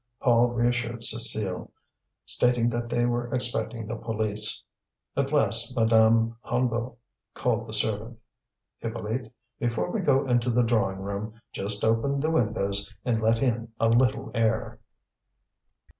Paul reassured Cécile, stating that they were expecting the police. At last Madame Hennebeau called the servant: "Hippolyte, before we go into the drawing room just open the windows and let in a little air."